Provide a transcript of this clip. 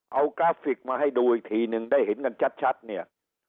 เอากราฟิกมาให้ดูอีกทีนึงได้เห็นกันชัดเนี่ย